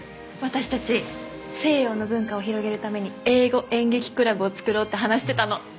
私たち西洋の文化を広めるために英語演劇クラブを作ろうって話してたの。